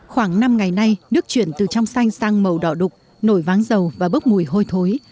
khoảng năm ngày nay nước chuyển từ trong xanh sang màu đỏ đục nổi váng dầu và bốc mùi hôi thối